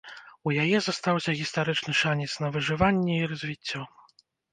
У яе застаўся гістарычны шанец на выжыванне і развіццё.